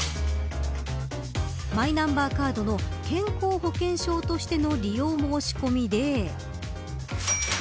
マイナンバーカードの健康保険証としての利用申し込みで。